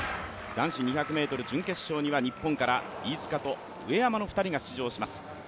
男子２００ｍ準決勝は日本からは飯塚と上山の２人が出場します。